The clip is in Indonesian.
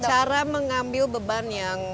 cara mengambil beban yang